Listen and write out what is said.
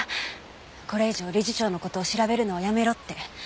これ以上理事長の事を調べるのはやめろって。